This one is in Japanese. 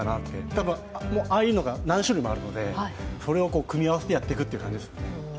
たぶん、ああいうのが何種類もあるので、それを組み合わせてやっていくという感じですよね。